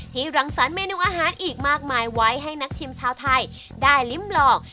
รังสรรคเมนูอาหารอีกมากมายไว้ให้นักชิมชาวไทยได้ลิ้มลอง